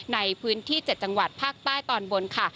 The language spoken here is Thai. ในพื้นที่๗จังหวัดภาคใต้ตอนบนค่ะ